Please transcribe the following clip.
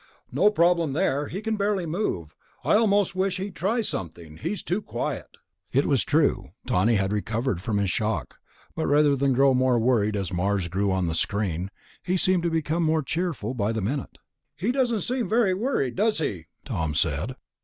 "No problem there, he can barely move. I almost wish he'd try something, he's too quiet." It was true. Tawney had recovered from his shock ... but rather than grow more worried as Mars grew large on the screen, he seemed to become more cheerful by the minute. "He doesn't seem very worried, does he?" Tom said.